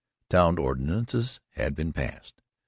Town ordinances had been passed.